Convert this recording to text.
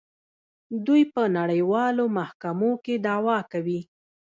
دوی په نړیوالو محکمو کې دعوا کوي.